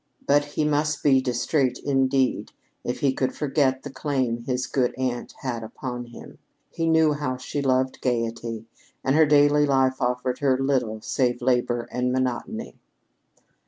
But he must be distrait, indeed, if he could forget the claim his good aunt had upon him. He knew how she loved gayety; and her daily life offered her little save labor and monotony.